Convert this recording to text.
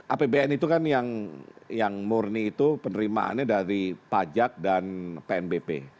apbn itu kan yang murni itu penerimaannya dari pajak dan pnbp